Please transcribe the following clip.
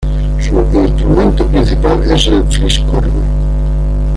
Su instrumento principal es el fliscorno.